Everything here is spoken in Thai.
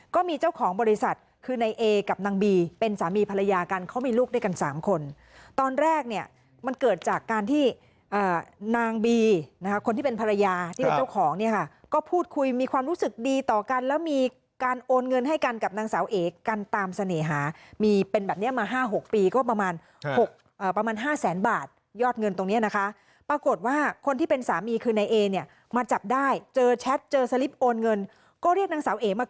ก็มีเจ้าของบริษัทคือในเอกับนางบีเป็นสามีภรรยากันเขามีลูกด้วยกันสามคนตอนแรกเนี่ยมันเกิดจากการที่นางบีนะคะคนที่เป็นภรรยาที่เป็นเจ้าของเนี่ยค่ะก็พูดคุยมีความรู้สึกดีต่อกันแล้วมีการโอนเงินให้กันกับนางเสาเอคกันตามเสน่หามีเป็นแบบนี้มาห้าหกปีก็ประมาณห้าแสนบาทยอดเงินตรง